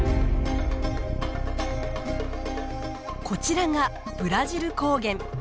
こちらがブラジル高原。